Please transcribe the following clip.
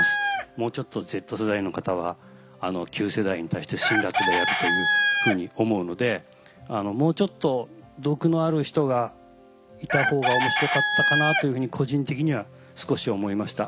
もうちょっとＺ世代の方は旧世代に対して辛辣であるというふうに思うのでもうちょっと毒のある人がいた方が面白かったかなというふうに個人的には少し思いました。